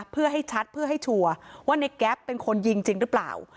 เพื่อให้ชัดเพื่อให้ชัวร์ว่าในแก๊ปเป็นคนยิงจริงหรือเปล่า